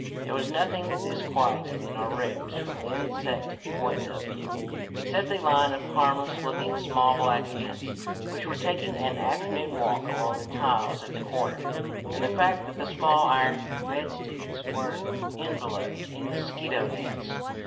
There was nothing disquieting in our rooms from the insect point of view, except a line of harmless looking small black ants which were taking an afternoon walk along the tiles at the corner, and the fact that the small iron bedsteads were enveloped in mosquito nets.